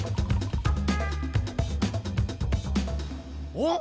おっ！